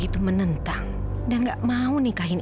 ibukan banyaknya salah sekalile